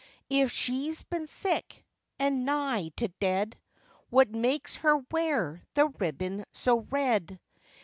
'If she's been sick, and nigh to dead, What makes her wear the ribbon so red?